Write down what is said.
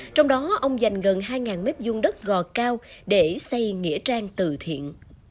trong đó ông dành gần hai mếp dung đất gò cao để xây nghĩa trang từ thiện